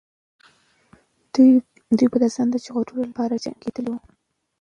دوی به د ځان ژغورلو لپاره جنګېدلې وو.